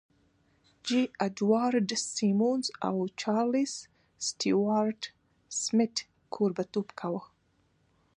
جې اډوارډ سیمونز او چارلیس سټیوارټ سمیت کوربهتوب کاوه